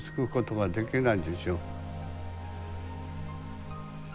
はい。